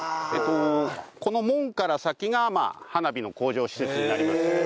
この門から先が花火の工場施設になります。